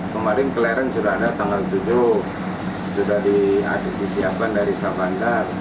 kemarin keleren sudah ada tanggal tujuh sudah disiapkan dari syah bandar